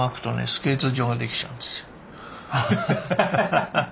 スケート場ができちゃうんですよ。